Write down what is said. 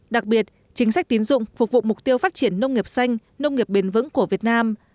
đặc biệt chính sách tín dụng phục vụ mục tiêu phát triển nông nghiệp xanh nông nghiệp bền vững của việt nam